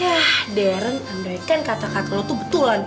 yah darren andoikan kata kata lo tuh betulan